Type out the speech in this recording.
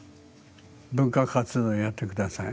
文化活動やって下さい。